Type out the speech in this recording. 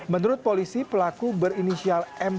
menurut polisi pelaku berinisial mk